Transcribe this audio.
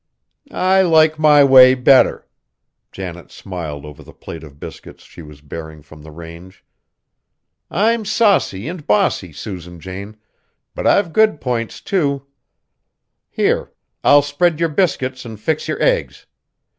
"I like my way better;" Janet smiled over the plate of biscuits she was bearing from the range. "I'm saucy and bossy, Susan Jane, but I've good points, too. Here, I'll spread your biscuits and fix your eggs.